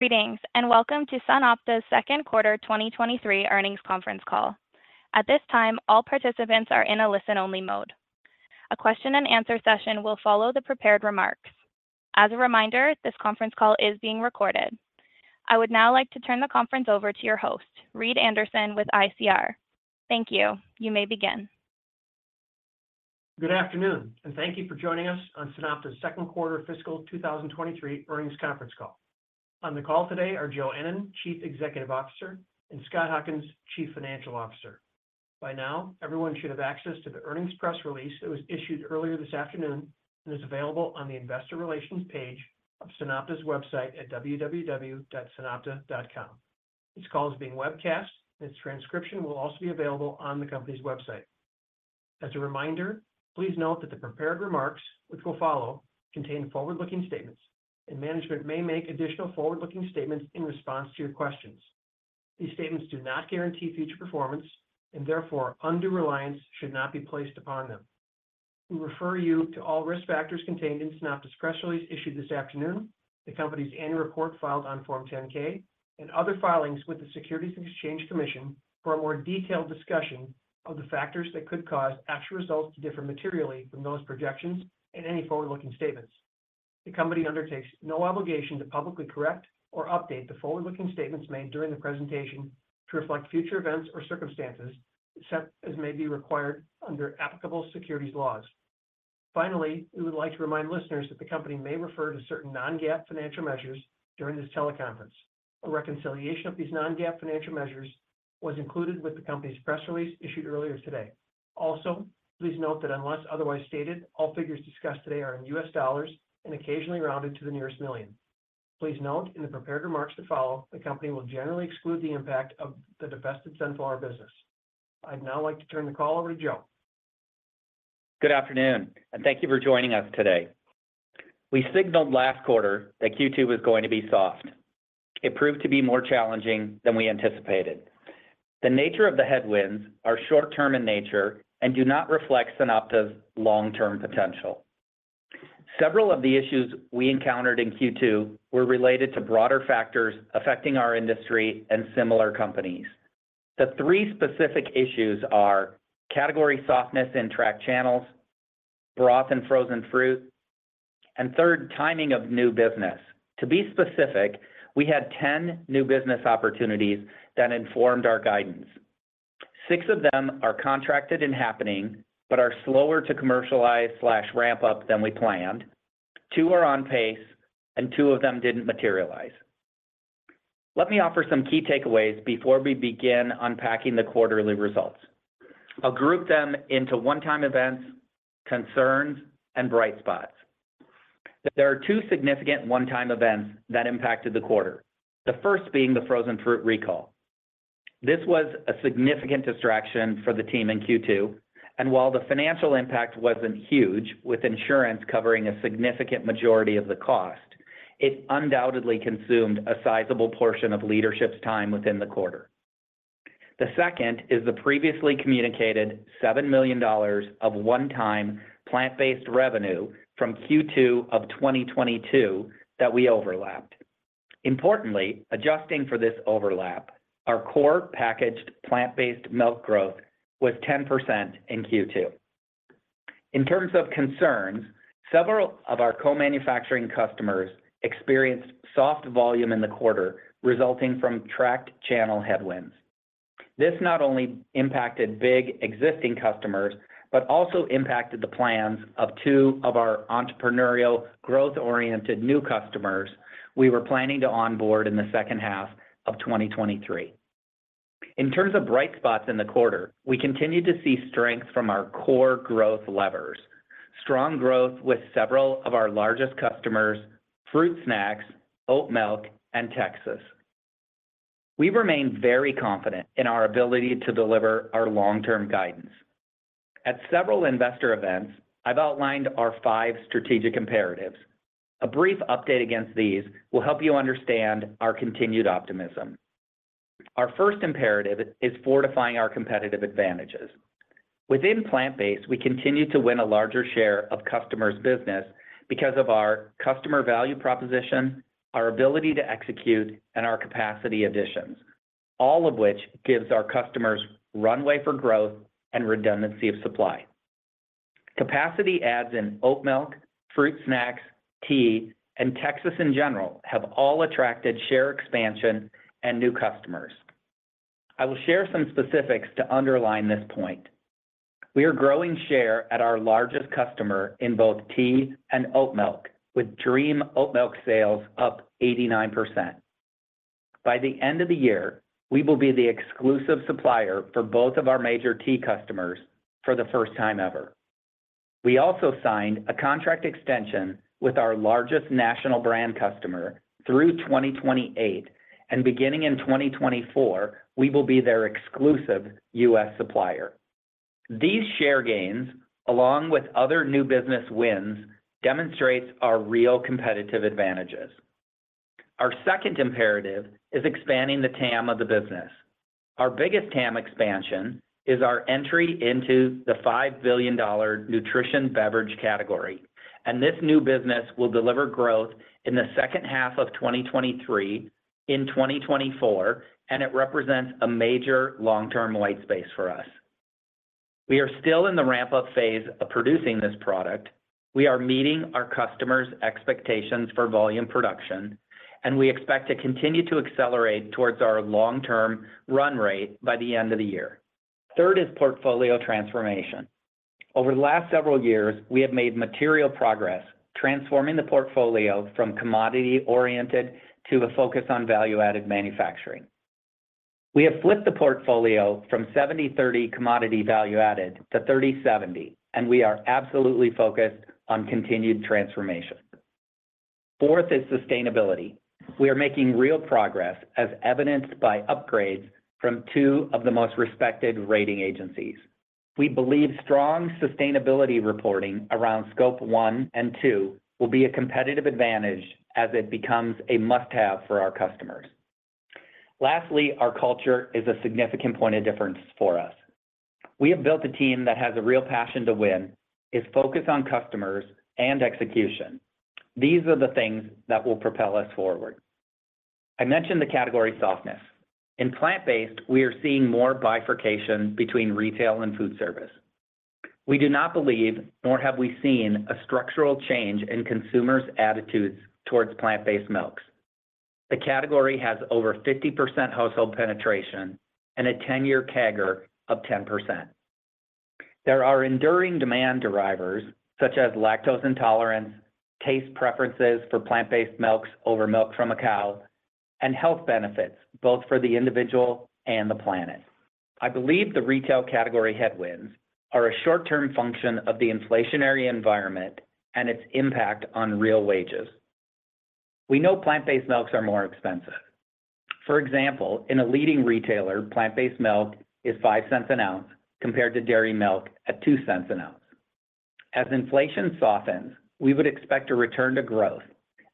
Greetings, and welcome to SunOpta's second quarter 2023 earnings conference call. At this time, all participants are in a listen-only mode. A question and answer session will follow the prepared remarks. As a reminder, this conference call is being recorded. I would now like to turn the conference over to your host, Reed Anderson, with ICR. Thank you. You may begin. Good afternoon, thank you for joining us on SunOpta's second quarter fiscal 2023 earnings conference call. On the call today are Joe Ennen, Chief Executive Officer, and Scott Huckins, Chief Financial Officer. By now, everyone should have access to the earnings press release that was issued earlier this afternoon and is available on the investor relations page of SunOpta's website at www.sunopta.com. This call is being webcast, and its transcription will also be available on the company's website. As a reminder, please note that the prepared remarks, which will follow, contain forward-looking statements, and management may make additional forward-looking statements in response to your questions. These statements do not guarantee future performance, and therefore, undue reliance should not be placed upon them. We refer you to all risk factors contained in SunOpta's press release issued this afternoon, the company's annual report filed on Form 10-K, and other filings with the Securities and Exchange Commission for a more detailed discussion of the factors that could cause actual results to differ materially from those projections and any forward-looking statements. The company undertakes no obligation to publicly correct or update the forward-looking statements made during the presentation to reflect future events or circumstances, except as may be required under applicable securities laws. Finally, we would like to remind listeners that the company may refer to certain non-GAAP financial measures during this teleconference. A reconciliation of these non-GAAP financial measures was included with the company's press release issued earlier today. Also, please note that unless otherwise stated, all figures discussed today are in U.S. dollars and occasionally rounded to the nearest million. Please note in the prepared remarks to follow, the company will generally exclude the impact of the divested sunflower business. I'd now like to turn the call over to Joe. Good afternoon, thank you for joining us today. We signaled last quarter that Q2 was going to be soft. It proved to be more challenging than we anticipated. The nature of the headwinds are short term in nature and do not reflect SunOpta's long-term potential. Several of the issues we encountered in Q2 were related to broader factors affecting our industry and similar companies. The 3 specific issues are category softness in tracked channels, broth and frozen fruit, and 3rd, timing of new business. To be specific, we had 10 new business opportunities that informed our guidance. 6 of them are contracted and happening, are slower to commercialize /ramp up than we planned. 2 are on pace, 2 of them didn't materialize. Let me offer some key takeaways before we begin unpacking the quarterly results. I'll group them into one-time events, concerns, and bright spots. There are 2 significant one-time events that impacted the quarter. The first being the frozen fruit recall. This was a significant distraction for the team in Q2, and while the financial impact wasn't huge, with insurance covering a significant majority of the cost, it undoubtedly consumed a sizable portion of leadership's time within the quarter. The second is the previously communicated $7 million of one-time plant-based revenue from Q2 of 2022 that we overlapped. Importantly, adjusting for this overlap, our core packaged plant-based milk growth was 10% in Q2. In terms of concerns, several of our co-manufacturing customers experienced soft volume in the quarter, resulting from tracked channel headwinds. This not only impacted big existing customers but also impacted the plans of 2 of our entrepreneurial, growth-oriented new customers we were planning to onboard in the second half of 2023. In terms of bright spots in the quarter, we continued to see strength from our core growth levers, strong growth with several of our largest customers, fruit snacks, oat milk, and Texas. We remain very confident in our ability to deliver our long-term guidance. At several investor events, I've outlined our five strategic imperatives. A brief update against these will help you understand our continued optimism. Our first imperative is fortifying our competitive advantages. Within plant-based, we continue to win a larger share of customers' business because of our customer value proposition, our ability to execute, and our capacity additions, all of which gives our customers runway for growth and redundancy of supply. Capacity adds in oat milk, fruit snacks, tea, and Texas in general, have all attracted share expansion and new customers. I will share some specifics to underline this point. We are growing share at our largest customer in both tea and oat milk, with Dream Oatmilk sales up 89%. By the end of the year, we will be the exclusive supplier for both of our major tea customers for the first time ever. We also signed a contract extension with our largest national brand customer through 2028. Beginning in 2024, we will be their exclusive US supplier. These share gains, along with other new business wins, demonstrates our real competitive advantages. Our second imperative is expanding the TAM of the business.... Our biggest TAM expansion is our entry into the $5 billion nutrition beverage category. This new business will deliver growth in the second half of 2023, in 2024, and it represents a major long-term white space for us. We are still in the ramp-up phase of producing this product. We are meeting our customers' expectations for volume production, and we expect to continue to accelerate towards our long-term run rate by the end of the year. Third is portfolio transformation. Over the last several years, we have made material progress, transforming the portfolio from commodity-oriented to a focus on value-added manufacturing. We have flipped the portfolio from 70/30 commodity value added to 30/70, and we are absolutely focused on continued transformation. Fourth is sustainability. We are making real progress, as evidenced by upgrades from two of the most respected rating agencies. We believe strong sustainability reporting around Scope 1 and 2 will be a competitive advantage as it becomes a must-have for our customers. Lastly, our culture is a significant point of difference for us. We have built a team that has a real passion to win, is focused on customers and execution. These are the things that will propel us forward. I mentioned the category softness. In plant-based, we are seeing more bifurcation between retail and food service. We do not believe, nor have we seen, a structural change in consumers' attitudes towards plant-based milks. The category has over 50% household penetration and a 10-year CAGR of 10%. There are enduring demand drivers, such as lactose intolerance, taste preferences for plant-based milks over milk from a cow, and health benefits, both for the individual and the planet. I believe the retail category headwinds are a short-term function of the inflationary environment and its impact on real wages. We know plant-based milks are more expensive. For example, in a leading retailer, plant-based milk is $0.05 an ounce, compared to dairy milk at $0.02 an ounce. As inflation softens, we would expect a return to growth,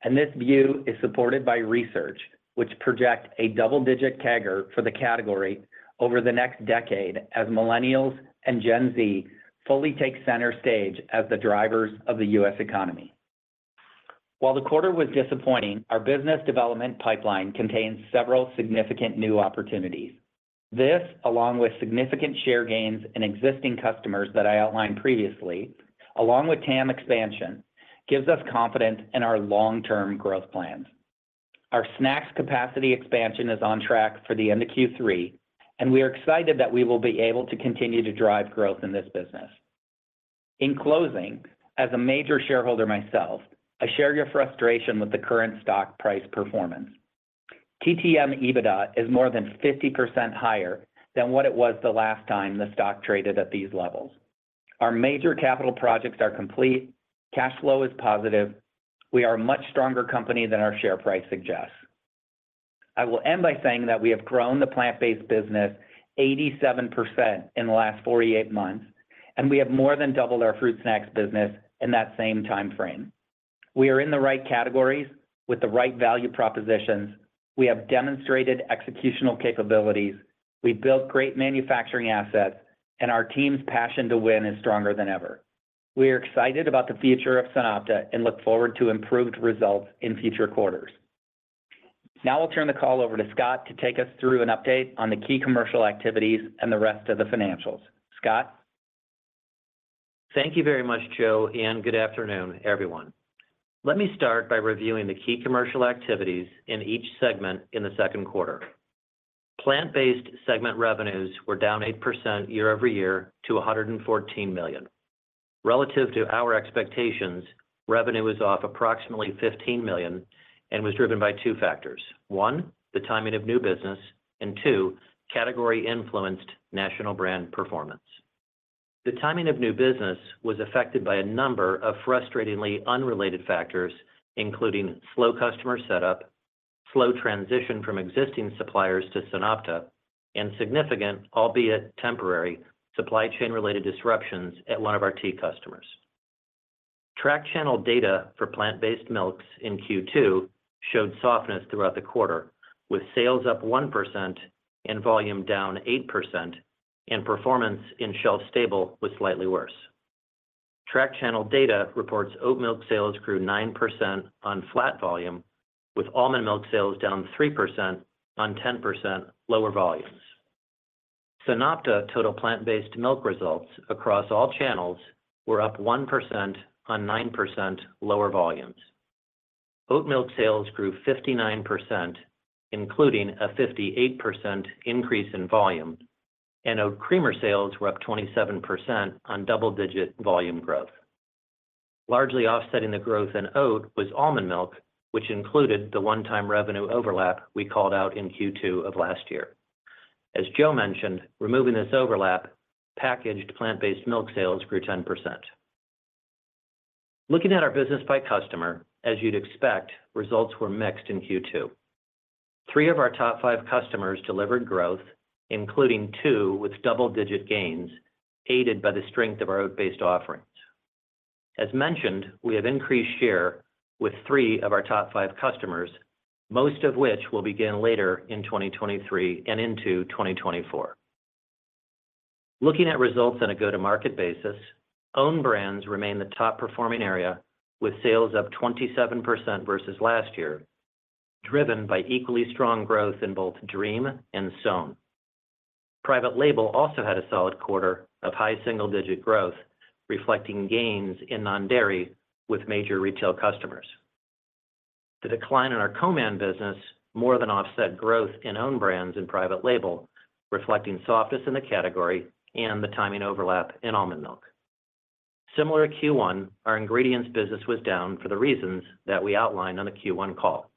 and this view is supported by research, which projects a double-digit CAGR for the category over the next decade as Millennials and Gen Z fully take center stage as the drivers of the US economy. While the quarter was disappointing, our business development pipeline contains several significant new opportunities. This, along with significant share gains in existing customers that I outlined previously, along with TAM expansion, gives us confidence in our long-term growth plans. Our snacks capacity expansion is on track for the end of Q3, and we are excited that we will be able to continue to drive growth in this business. In closing, as a major shareholder myself, I share your frustration with the current stock price performance. TTM EBITDA is more than 50% higher than what it was the last time the stock traded at these levels. Our major capital projects are complete. Cash flow is positive. We are a much stronger company than our share price suggests. I will end by saying that we have grown the plant-based business 87% in the last 48 months, and we have more than doubled our fruit snacks business in that same time frame. We are in the right categories with the right value propositions. We have demonstrated executional capabilities, we've built great manufacturing assets, and our team's passion to win is stronger than ever. We are excited about the future of SunOpta and look forward to improved results in future quarters. Now I'll turn the call over to Scott to take us through an update on the key commercial activities and the rest of the financials. Scott? Thank you very much, Joe, and good afternoon, everyone. Let me start by reviewing the key commercial activities in each segment in the second quarter. Plant-based segment revenues were down 8% year-over-year to $114 million. Relative to our expectations, revenue was off approximately $15 million and was driven by two factors. One, the timing of new business, and two, category-influenced national brand performance. The timing of new business was affected by a number of frustratingly unrelated factors, including slow customer setup, slow transition from existing suppliers to SunOpta, and significant, albeit temporary, supply chain-related disruptions at one of our key customers. Track channel data for plant-based milks in Q2 showed softness throughout the quarter, with sales up 1% and volume down 8%, and performance in shelf stable was slightly worse. Track channel data reports oat milk sales grew 9% on flat volume, with almond milk sales down 3% on 10% lower volumes. SunOpta total plant-based milk results across all channels were up 1% on 9% lower volumes. Oat milk sales grew 59%, including a 58% increase in volume, and oat creamer sales were up 27% on double-digit volume growth. Largely offsetting the growth in oat was almond milk, which included the one-time revenue overlap we called out in Q2 of last year. As Joe mentioned, removing this overlap, packaged plant-based milk sales grew 10%. Looking at our business by customer, as you'd expect, results were mixed in Q2. Three of our top five customers delivered growth, including two with double-digit gains, aided by the strength of our oat-based offerings.... As mentioned, we have increased share with 3 of our top 5 customers, most of which will begin later in 2023 and into 2024. Looking at results on a go-to-market basis, own brands remain the top-performing area, with sales up 27% versus last year, driven by equally strong growth in both Dream and SOWN. Private label also had a solid quarter of high single-digit growth, reflecting gains in non-dairy with major retail customers. The decline in our co-man business more than offset growth in own brands and private label, reflecting softness in the category and the timing overlap in almond milk. Similar to Q1, our ingredients business was down for the reasons that we outlined on the Q1 call.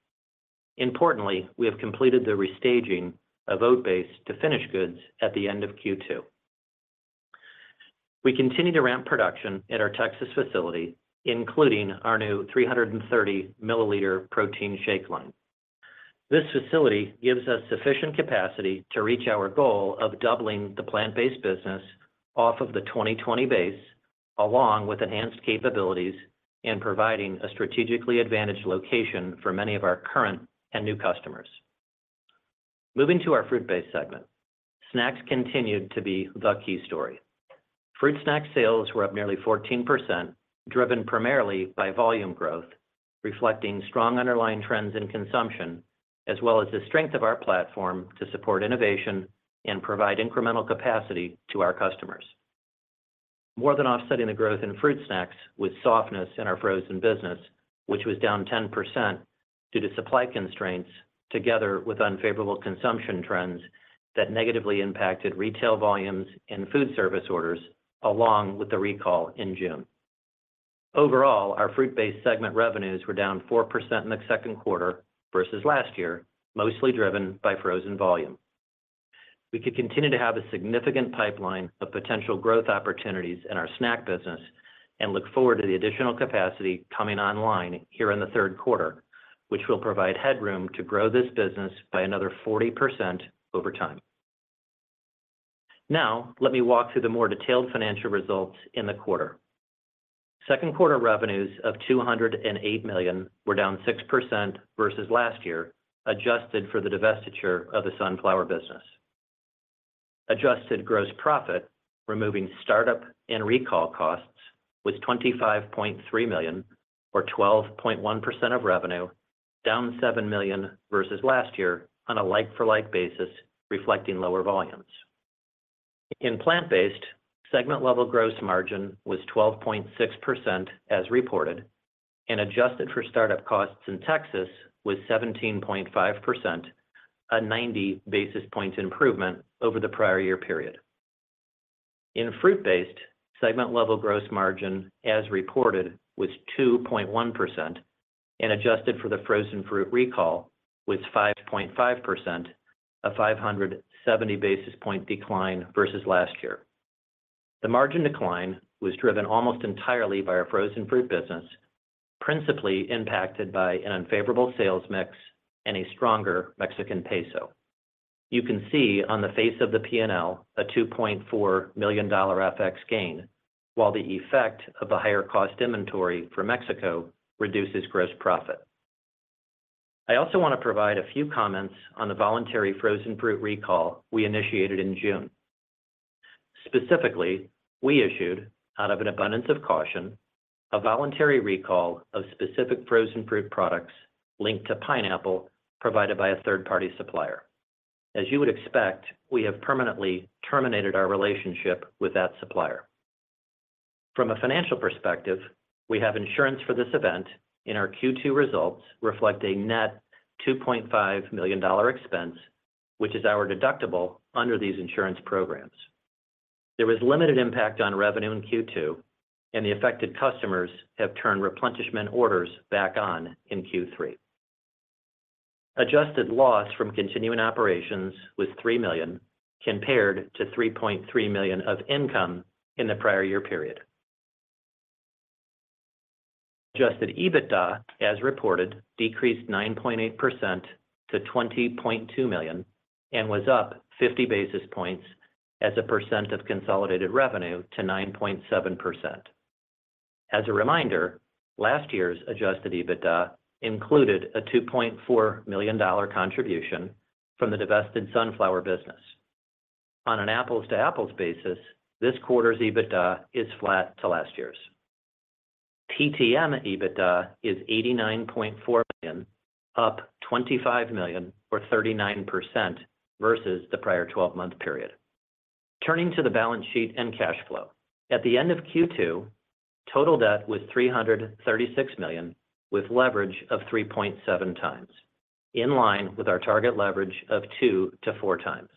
Importantly, we have completed the restaging of oat-based to finished goods at the end of Q2. We continue to ramp production at our Texas facility, including our new 330 ml protein shake line. This facility gives us sufficient capacity to reach our goal of doubling the plant-based business off of the 2020 base, along with enhanced capabilities in providing a strategically advantaged location for many of our current and new customers. Moving to our fruit-based segment, snacks continued to be the key story. Fruit snack sales were up nearly 14%, driven primarily by volume growth, reflecting strong underlying trends in consumption, as well as the strength of our platform to support innovation and provide incremental capacity to our customers. More than offsetting the growth in fruit snacks was softness in our frozen business, which was down 10% due to supply constraints, together with unfavorable consumption trends that negatively impacted retail volumes and food service orders, along with the recall in June. Overall, our fruit-based segment revenues were down 4% in the second quarter versus last year, mostly driven by frozen volume. We could continue to have a significant pipeline of potential growth opportunities in our snack business and look forward to the additional capacity coming online here in the third quarter, which will provide headroom to grow this business by another 40% over time. Let me walk through the more detailed financial results in the quarter. Second quarter revenues of $208 million were down 6% versus last year, adjusted for the divestiture of the sunflower business. Adjusted gross profit, removing startup and recall costs, was $25.3 million, or 12.1% of revenue, down $7 million versus last year on a like-for-like basis, reflecting lower volumes. In plant-based, segment-level gross margin was 12.6% as reported, and adjusted for startup costs in Texas, was 17.5%, a 90 basis points improvement over the prior year period. In fruit-based, segment-level gross margin, as reported, was 2.1%, and adjusted for the frozen fruit recall, was 5.5%, a 570 basis point decline versus last year. The margin decline was driven almost entirely by our frozen fruit business, principally impacted by an unfavorable sales mix and a stronger Mexican peso. You can see on the face of the P&L a $2.4 million FX gain, while the effect of the higher cost inventory for Mexico reduces gross profit. I also want to provide a few comments on the voluntary frozen fruit recall we initiated in June. Specifically, we issued, out of an abundance of caution, a voluntary recall of specific frozen fruit products linked to pineapple provided by a third-party supplier. As you would expect, we have permanently terminated our relationship with that supplier. From a financial perspective, we have insurance for this event in our Q2 results, reflecting net $2.5 million expense, which is our deductible under these insurance programs. There was limited impact on revenue in Q2. The affected customers have turned replenishment orders back on in Q3. Adjusted loss from continuing operations was $3 million, compared to $3.3 million of income in the prior year period. Adjusted EBITDA, as reported, decreased 9.8% to $20.2 million and was up 50 basis points as a percent of consolidated revenue to 9.7%. As a reminder, last year's adjusted EBITDA included a $2.4 million contribution from the divested sunflower business. On an apples-to-apples basis, this quarter's EBITDA is flat to last year's. TTM EBITDA is $89.4 million, up $25 million or 39% versus the prior 12-month period. Turning to the balance sheet and cash flow. At the end of Q2, total debt was $336 million, with leverage of 3.7 times, in line with our target leverage of 2-4 times.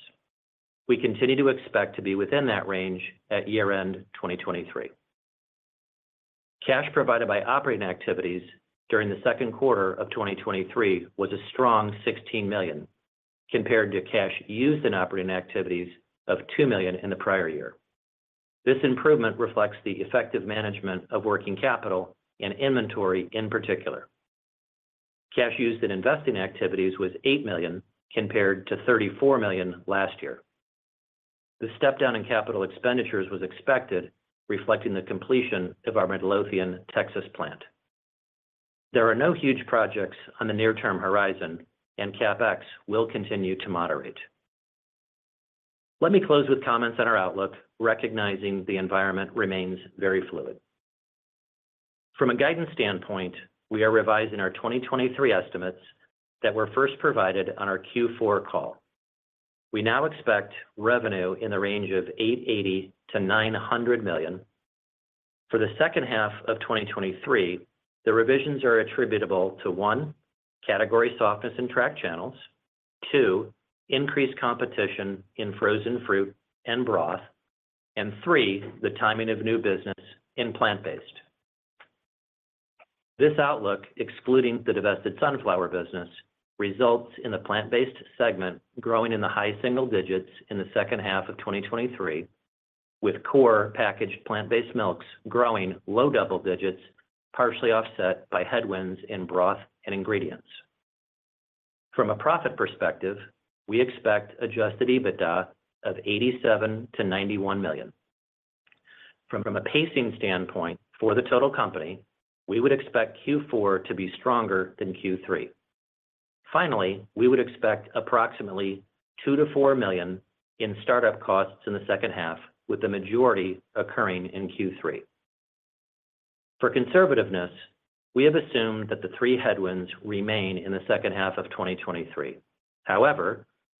We continue to expect to be within that range at year-end 2023. Cash provided by operating activities during the second quarter of 2023 was a strong $16 million, compared to cash used in operating activities of $2 million in the prior year. This improvement reflects the effective management of working capital and inventory in particular. Cash used in investing activities was $8 million, compared to $34 million last year. The step down in capital expenditures was expected, reflecting the completion of our Midlothian, Texas plant. There are no huge projects on the near-term horizon, and CapEx will continue to moderate. Let me close with comments on our outlook, recognizing the environment remains very fluid. From a guidance standpoint, we are revising our 2023 estimates that were first provided on our Q4 call. We now expect revenue in the range of $880 million-$900 million. For the second half of 2023, the revisions are attributable to, one, category softness in track channels, two, increased competition in frozen fruit and broth, and three, the timing of new business in plant-based. This outlook, excluding the divested sunflower business, results in the plant-based segment growing in the high single digits in the second half of 2023, with core packaged plant-based milks growing low double digits, partially offset by headwinds in broth and ingredients. From a profit perspective, we expect adjusted EBITDA of $87 million-$91 million. From a pacing standpoint for the total company, we would expect Q4 to be stronger than Q3. Finally, we would expect approximately $2 million-$4 million in startup costs in the second half, with the majority occurring in Q3. For conservativeness, we have assumed that the three headwinds remain in the second half of 2023.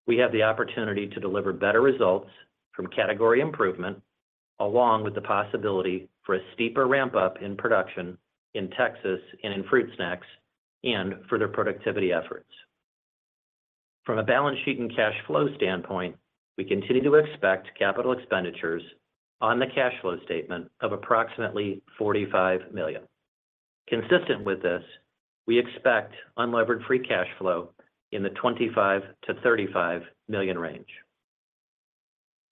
We have the opportunity to deliver better results from category improvement, along with the possibility for a steeper ramp-up in production in Texas and in fruit snacks and further productivity efforts. From a balance sheet and cash flow standpoint, we continue to expect capital expenditures on the cash flow statement of approximately $45 million. Consistent with this, we expect unlevered free cash flow in the $25 million-$35 million range.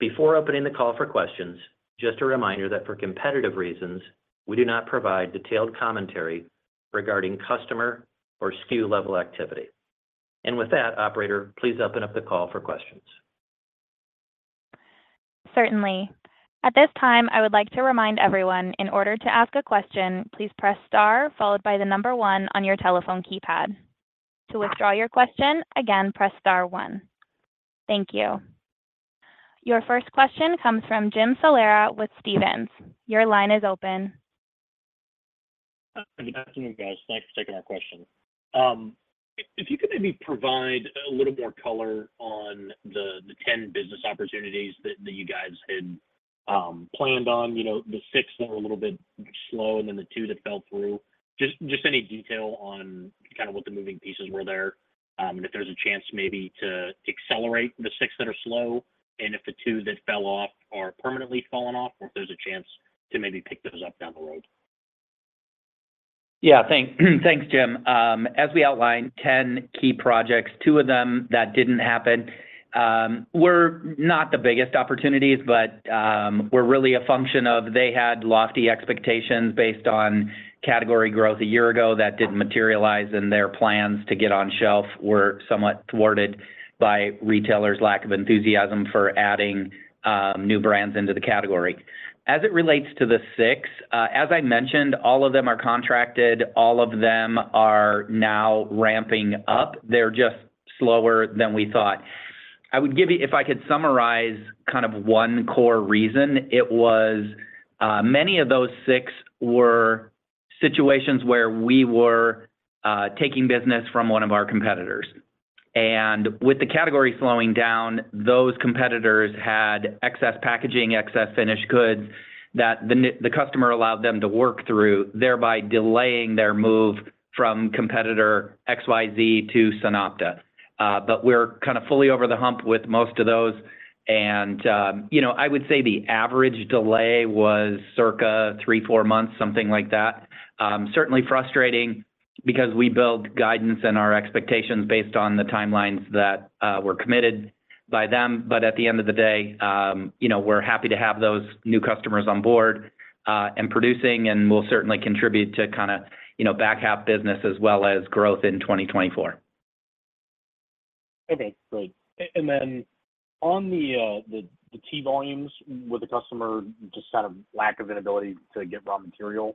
Before opening the call for questions, just a reminder that for competitive reasons, we do not provide detailed commentary regarding customer or SKU level activity. With that, operator, please open up the call for questions. Certainly. At this time, I would like to remind everyone in order to ask a question, please press star followed by the number one on your telephone keypad. To withdraw your question, again, press star one. Thank you. Your first question comes from Jim Salera with Stephens. Your line is open. Good afternoon, guys. Thanks for taking our question. If, if you could maybe provide a little more color on the 10 business opportunities that, that you guys had, planned on, you know, the 6 that were a little bit slow and then the 2 that fell through. Just, just any detail on kind of what the moving pieces were there, and if there's a chance maybe to accelerate the 6 that are slow, and if the 2 that fell off are permanently fallen off, or if there's a chance to maybe pick those up down the road? Yeah, thank, thanks, Jim. As we outlined, 10 key projects, 2 of them that didn't happen, were not the biggest opportunities, but were really a function of they had lofty expectations based on category growth a year ago that didn't materialize, and their plans to get on shelf were somewhat thwarted by retailers' lack of enthusiasm for adding new brands into the category. As it relates to the 6, as I mentioned, all of them are contracted, all of them are now ramping up. They're just slower than we thought. I would give you, if I could summarize kind of 1 core reason, it was, many of those 6 were situations where we were taking business from 1 of our competitors. With the category slowing down, those competitors had excess packaging, excess finished goods that the customer allowed them to work through, thereby delaying their move from competitor XYZ to SunOpta. We're kind of fully over the hump with most of those, and, you know, I would say the average delay was circa 3, 4 months, something like that. Certainly frustrating because we build guidance and our expectations based on the timelines that were committed by them. At the end of the day, you know, we're happy to have those new customers on board, and producing, and will certainly contribute to kinda, you know, back half business as well as growth in 2024. Okay, great. Then on the key volumes with the customer, just out of lack of an ability to get raw material,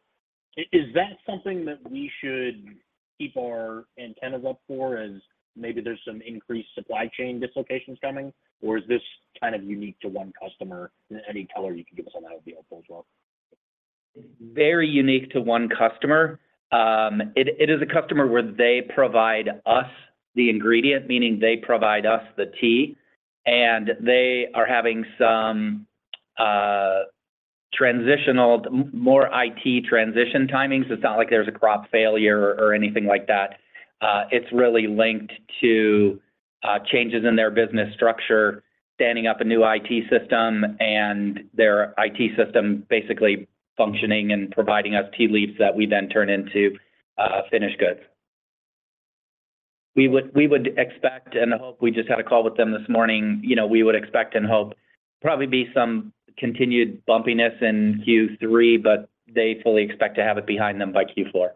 is that something that we should keep our antennas up for as maybe there's some increased supply chain dislocations coming, or is this kind of unique to one customer? Any color you can give us on that would be helpful as well. Very unique to one customer. It is a customer where they provide us the ingredient, meaning they provide us the tea, and they are having some transitional, more IT transition timings. It's not like there's a crop failure or anything like that. It's really linked to changes in their business structure, standing up a new IT system, and their IT system basically functioning and providing us tea leaves that we then turn into finished goods. We would expect and hope, we just had a call with them this morning. You know, we would expect and hope probably be some continued bumpiness in Q3. They fully expect to have it behind them by Q4.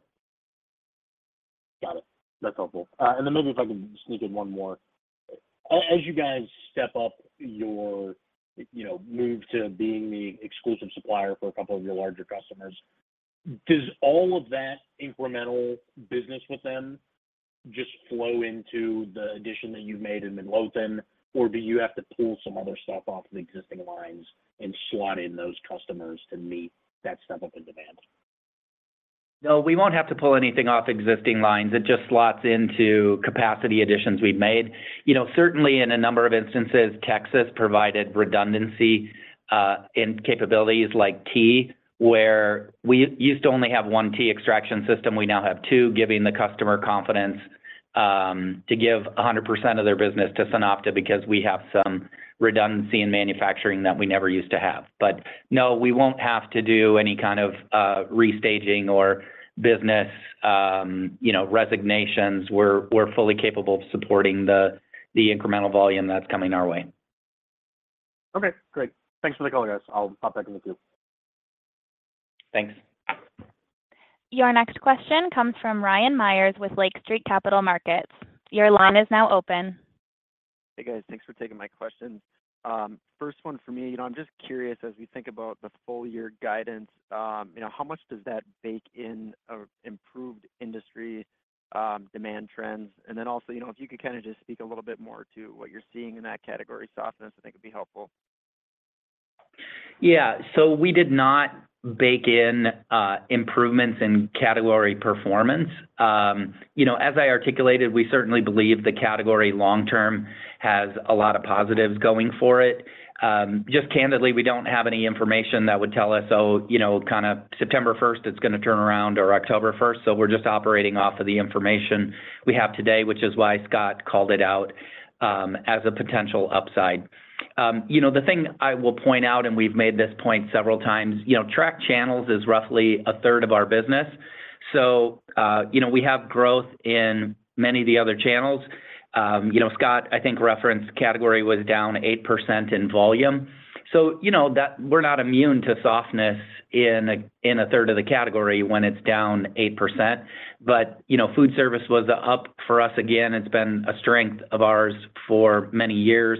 Got it. That's helpful. Then maybe if I could sneak in one more. As you guys step up your, you know, move to being the exclusive supplier for a couple of your larger customers, does all of that incremental business with them just flow into the addition that you've made in Minot, or do you have to pull some other stuff off the existing lines and slot in those customers to meet that step up in demand? No, we won't have to pull anything off existing lines. It just slots into capacity additions we've made. You know, certainly in a number of instances, Texas provided redundancy in capabilities like tea, where we used to only have one tea extraction system, we now have two, giving the customer confidence to give 100% of their business to SunOpta because we have some redundancy in manufacturing that we never used to have. No, we won't have to do any kind of restaging or business, you know, resignations. We're, we're fully capable of supporting the, the incremental volume that's coming our way. Okay, great. Thanks for the call, guys. I'll pop back into queue. Thanks. Your next question comes from Ryan Meyers with Lake Street Capital Markets. Your line is now open. Hey, guys. Thanks for taking my questions. First one for me, you know, I'm just curious, as we think about the full year guidance, you know, how much does that bake in improved industry demand trends? Then also, you know, if you could kind of just speak a little bit more to what you're seeing in that category softness, I think it'd be helpful. Yeah. We did not bake in improvements in category performance. You know, as I articulated, we certainly believe the category long term has a lot of positives going for it. Just candidly, we don't have any information that would tell us, oh, you know, kind of September 1st, it's gonna turn around or October 1st. We're just operating off of the information we have today, which is why Scott called it out as a potential upside. You know, the thing I will point out, and we've made this point several times, you know, track channels is roughly a third of our business. You know, we have growth in many of the other channels. You know, Scott, I think referenced category was down 8% in volume, so you know that we're not immune to softness in a, in a third of the category when it's down 8%. You know, food service was up for us again. It's been a strength of ours for many years.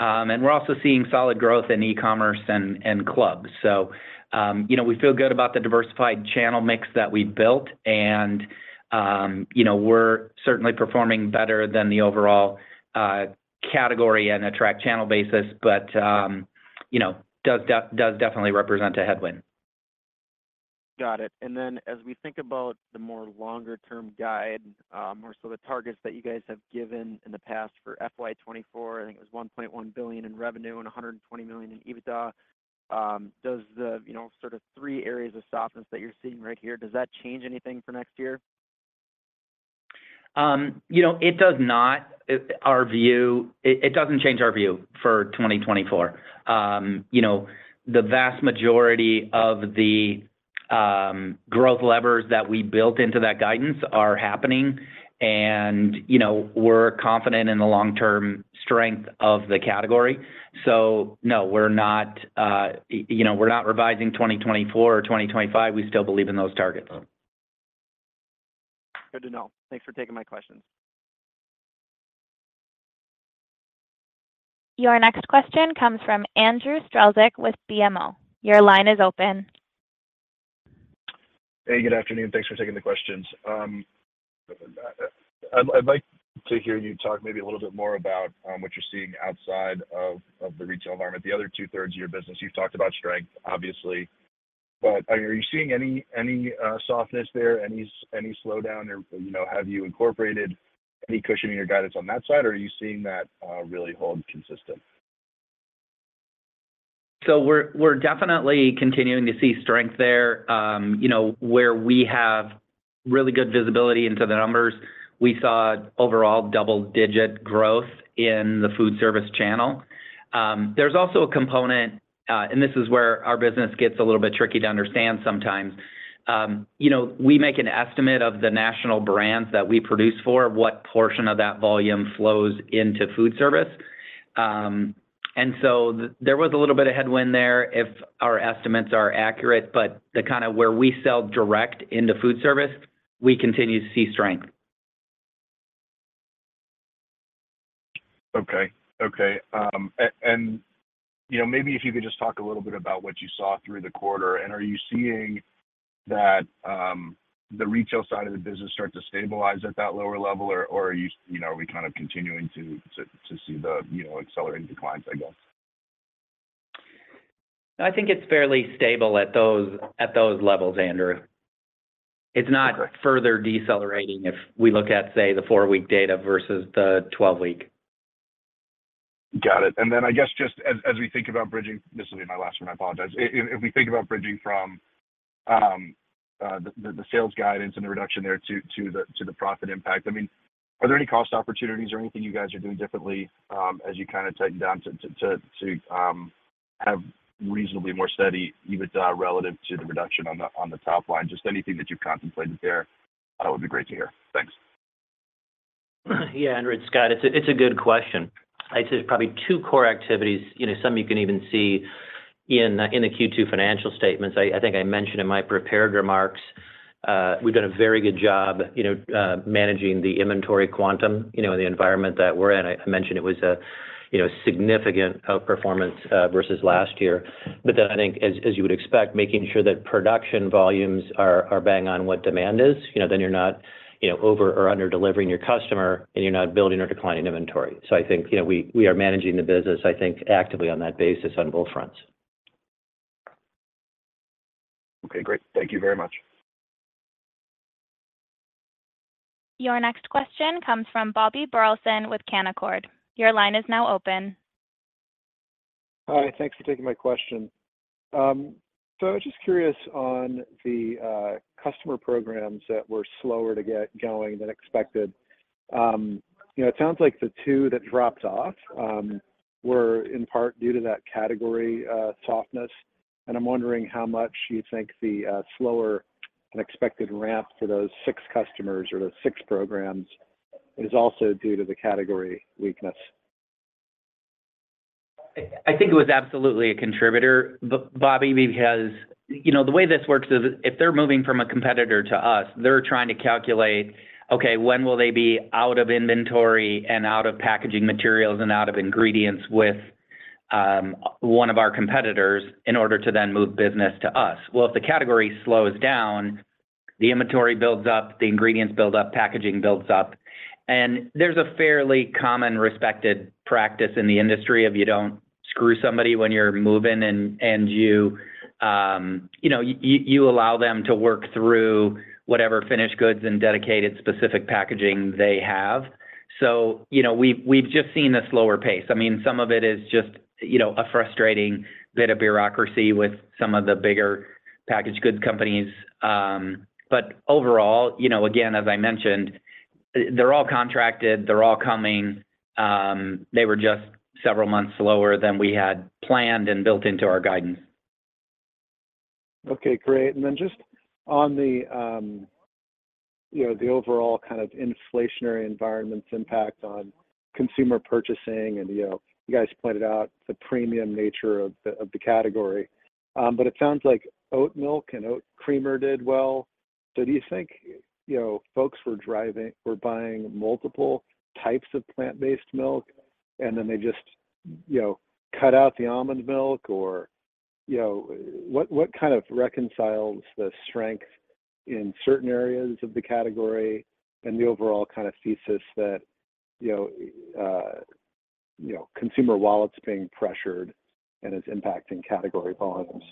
And we're also seeing solid growth in e-commerce and, and clubs. You know, we feel good about the diversified channel mix that we built, and, you know, we're certainly performing better than the overall, category on a track channel basis, but, you know, does, does, does definitely represent a headwind. Got it. Then as we think about the more longer term guide, more so the targets that you guys have given in the past for FY 2024, I think it was $1.1 billion in revenue and $120 million in EBITDA, does the, you know, sort of three areas of softness that you're seeing right here, does that change anything for next year? You know, it does not. Our view. It doesn't change our view for 2024. You know, the vast majority of the growth levers that we built into that guidance are happening and, you know, we're confident in the long-term strength of the category. No, we're not, you know, we're not revising 2024 or 2025. We still believe in those targets. Good to know. Thanks for taking my questions. Your next question comes from Andrew Strelzik with BMO. Your line is open. Hey, good afternoon. Thanks for taking the questions. I'd, I'd like to hear you talk maybe a little bit more about what you're seeing outside of, of the retail environment. The other two-thirds of your business, you've talked about strength, obviously, but are you seeing any, any softness there, any, any slowdown or, you know, have you incorporated any cushion in your guidance on that side, or are you seeing that really hold consistent? We're, we're definitely continuing to see strength there. You know, where we have really good visibility into the numbers, we saw overall double-digit growth in the food service channel. There's also a component, and this is where our business gets a little bit tricky to understand sometimes. You know, we make an estimate of the national brands that we produce for, what portion of that volume flows into food service. There was a little bit of headwind there if our estimates are accurate, but the kind of where we sell direct into food service, we continue to see strength. Okay, Okay. You know, maybe if you could just talk a little bit about what you saw through the quarter. Are you seeing that the retail side of the business start to stabilize at that lower level, or, or you know, are we kind of continuing to, to, to see the, you know, accelerating declines, I guess? I think it's fairly stable at those, at those levels, Andrew. Okay. It's not further decelerating if we look at, say, the four-week data versus the 12-week. Got it. Then I guess just as, as we think about bridging... This will be my last one, I apologize. If we think about bridging from, the, the sales guidance and the reduction there to the profit impact, I mean, are there any cost opportunities or anything you guys are doing differently, as you kind of tighten down?... have reasonably more steady EBITDA relative to the reduction on the, on the top line? Just anything that you've contemplated there, would be great to hear. Thanks. Yeah, Andrew, it's Scott. It's a good question. I'd say there's probably two core activities, you know, some you can even see in the, in the Q2 financial statements. I think I mentioned in my prepared remarks, we've done a very good job, you know, managing the inventory quantum, you know, in the environment that we're in. I mentioned it was a, you know, significant outperformance, versus last year. I think as, as you would expect, making sure that production volumes are, are bang on what demand is, you know, then you're not, you know, over or under-delivering your customer, and you're not building or declining inventory. I think, you know, we are managing the business, I think, actively on that basis on both fronts. Okay, great. Thank you very much. Your next question comes from Bobby Burleson with Canaccord. Your line is now open. Hi, thanks for taking my question. I was just curious on the customer programs that were slower to get going than expected. you know, it sounds like the two that dropped off were in part due to that category softness, and I'm wondering how much you think the slower than expected ramp for those six customers or those six programs is also due to the category weakness? I think it was absolutely a contributor, Bobby, because, you know, the way this works is if they're moving from a competitor to us, they're trying to calculate, okay, when will they be out of inventory and out of packaging materials and out of ingredients with one of our competitors in order to then move business to us? Well, if the category slows down, the inventory builds up, the ingredients build up, packaging builds up. There's a fairly common respected practice in the industry of you don't screw somebody when you're moving, and, and you, you know, you, you allow them to work through whatever finished goods and dedicated specific packaging they have. So, you know, we've just seen a slower pace. I mean, some of it is just, you know, a frustrating bit of bureaucracy with some of the bigger packaged goods companies. Overall, you know, again, as I mentioned, they're all contracted, they're all coming. They were just several months slower than we had planned and built into our guidance. Okay, great. Then just on the, you know, the overall kind of inflationary environment's impact on consumer purchasing, and, you know, you guys pointed out the premium nature of the category. It sounds like oat milk and oat creamer did well. Do you think, you know, folks were buying multiple types of plant-based milk, and then they just, you know, cut out the almond milk? What, what kind of reconciles the strength in certain areas of the category and the overall kind of thesis that, you know, you know, consumer wallets being pressured and is impacting category volumes?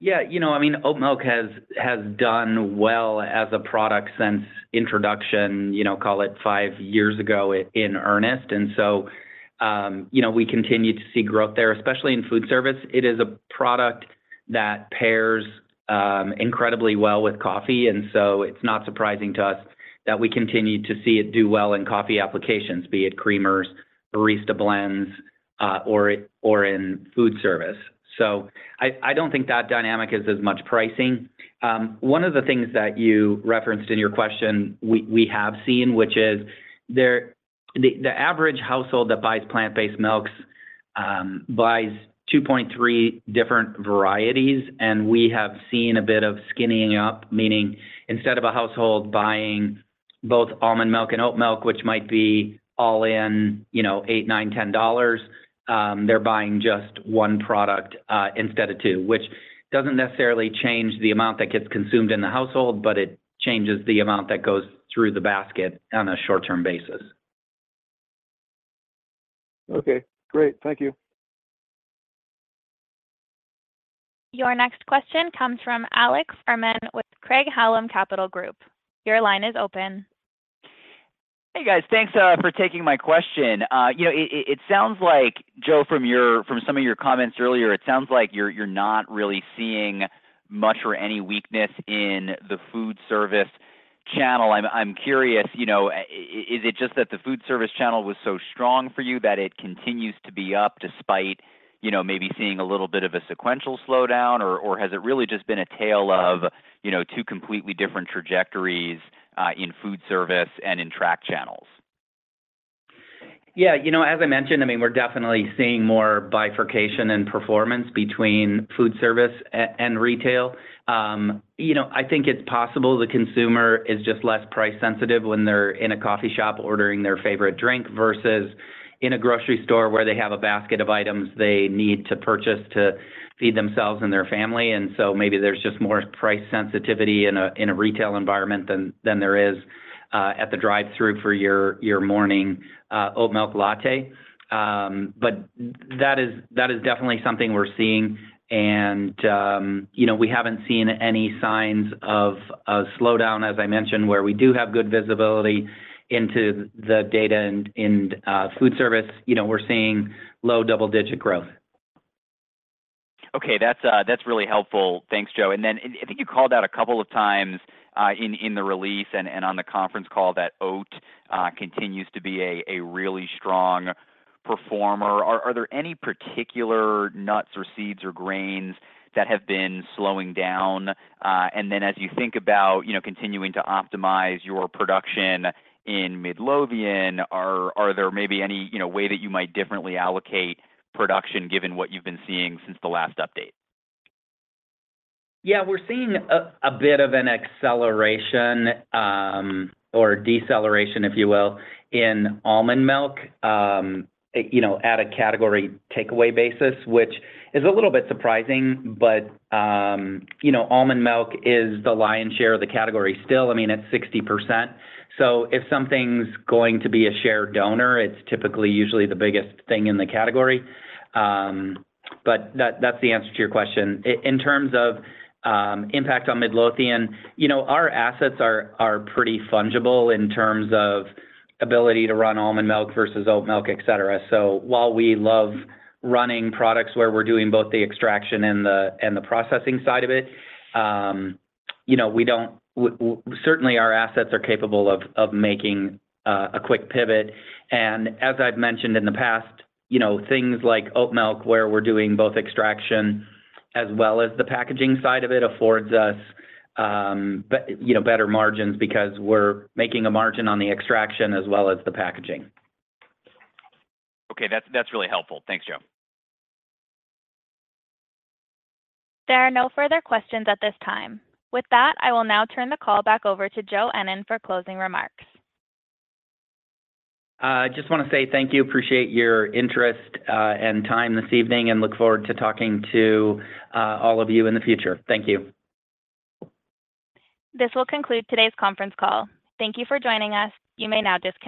Yeah, you know, I mean, oat milk has, has done well as a product since introduction, you know, call it five years ago in, in earnest. You know, we continue to see growth there, especially in food service. It is a product that pairs incredibly well with coffee, and so it's not surprising to us that we continue to see it do well in coffee applications, be it creamers, barista blends, or in, or in food service. I, I don't think that dynamic is as much pricing. one of the things that you referenced in your question, we, we have seen, which is the average household that buys plant-based milks, buys 2.3 different varieties, and we have seen a bit of skinnying up, meaning instead of a household buying both almond milk and oat milk, which might be all in, you know, $8-$10, they're buying just one product, instead of two, which doesn't necessarily change the amount that gets consumed in the household, but it changes the amount that goes through the basket on a short-term basis. Okay, great. Thank you. Your next question comes from Alex Fuhrman with Craig-Hallum Capital Group. Your line is open. Hey, guys. Thanks for taking my question. You know, it sounds like, Joe, from your from some of your comments earlier, it sounds like you're, you're not really seeing much or any weakness in the food service channel. I'm, I'm curious, you know, is it just that the food service channel was so strong for you that it continues to be up despite, you know, maybe seeing a little bit of a sequential slowdown? Or, or has it really just been a tale of, you know, two completely different trajectories in food service and in track channels? Yeah, you know, as I mentioned, I mean, we're definitely seeing more bifurcation in performance between food service and retail. You know, I think it's possible the consumer is just less price sensitive when they're in a coffee shop ordering their favorite drink versus in a grocery store, where they have a basket of items they need to purchase to feed themselves and their family. Maybe there's just more price sensitivity in a, in a retail environment than, than there is at the drive-thru for your, your morning oat milk latte. That is, that is definitely something we're seeing, and, you know, we haven't seen any signs of a slowdown, as I mentioned, where we do have good visibility into the data in, in, food service. You know, we're seeing low double-digit growth. Okay, that's, that's really helpful. Thanks, Joe. Then I, I think you called out a couple of times in, in the release and, and on the conference call that oat continues to be a, a really strong performer. Are, are there any particular nuts or seeds or grains that have been slowing down? Then as you think about, you know, continuing to optimize your production in Midlothian, are, are there maybe any, you know, way that you might differently allocate production given what you've been seeing since the last update? Yeah, we're seeing a, a bit of an acceleration, or deceleration, if you will, in almond milk. You know, at a category takeaway basis, which is a little bit surprising, but, you know, almond milk is the lion's share of the category still. I mean, it's 60%, so if something's going to be a share donor, it's typically usually the biggest thing in the category. That, that's the answer to your question. In terms of impact on Midlothian, you know, our assets are, are pretty fungible in terms of ability to run almond milk versus oat milk, et cetera. While we love running products where we're doing both the extraction and the, and the processing side of it, you know, we don't certainly our assets are capable of, of making a quick pivot. As I've mentioned in the past, you know, things like oat milk, where we're doing both extraction as well as the packaging side of it, affords us, you know, better margins because we're making a margin on the extraction as well as the packaging. Okay, that's, that's really helpful. Thanks, Joe. There are no further questions at this time. With that, I will now turn the call back over to Joe Ennen for closing remarks. I just want to say thank you, appreciate your interest, and time this evening, and look forward to talking to all of you in the future. Thank you. This will conclude today's conference call. Thank you for joining us. You may now disconnect.